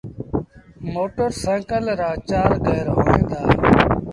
موٽر سآئيٚڪل رآ چآر گير هوئين دآ۔